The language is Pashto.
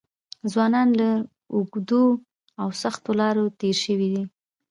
ځوانان له اوږدو او سختو لارو تېر شوي دي.